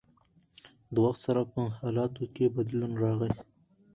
د وخت سره په حالاتو کښې بدلون راغی